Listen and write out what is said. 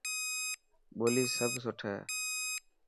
ٻولي سڀ سٺي هي.